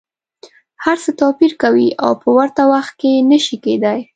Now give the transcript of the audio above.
هر څه توپیر کوي او په ورته وخت کي نه شي کیدای.